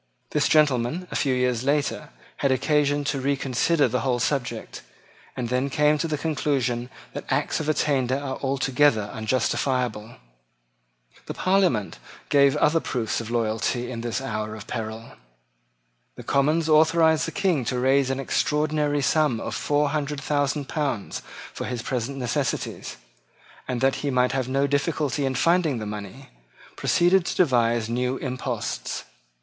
This gentleman, a few years later, had occasion to reconsider the whole subject, and then came to the conclusion that acts of attainder are altogether unjustifiable. The Parliament gave other proofs of loyalty in this hour of peril. The Commons authorised the King to raise an extraordinary sum of four hundred thousand pounds for his present necessities, and that he might have no difficulty in finding the money, proceeded to devise new imposts.